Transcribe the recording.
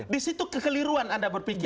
di situ kekeliruan anda berpikir